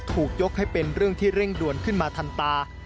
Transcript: ถูกยกให้เป็นเรื่องที่เร่งด่วนขึ้นมาทันตา